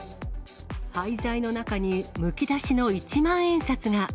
廃材の中にむき出しの１万円札が。